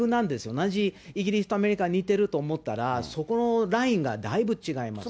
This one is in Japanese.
同じイギリスとアメリカ、似てると思ったら、そこのラインがだいぶ違いますね。